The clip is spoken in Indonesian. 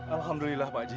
alhamdulillah pak haji